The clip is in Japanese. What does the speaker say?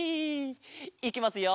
いきますよ。